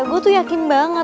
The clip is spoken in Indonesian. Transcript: gue tuh yakin banget